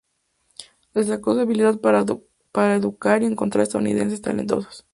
Destacó su habilidad para educar y encontrar estudiantes talentosos.